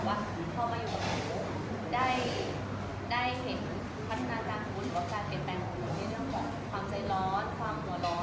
ในเรื่องของความใจร้อนความหัวร้อนอะไรอย่างเงี้ย